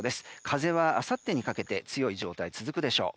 風はあさってにかけて強い状態が続くでしょう。